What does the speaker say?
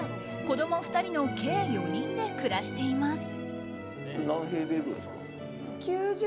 子供２人の計４人で暮らしています。